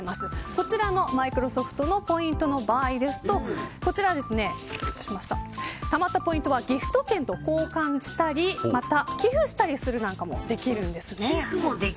こちらのマイクロソフトのポイントの場合ですとたまったポイントはギフト券と交換したりまた寄付したりすることもできるんですね。